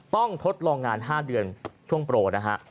ทดลองงาน๕เดือนช่วงโปรนะฮะ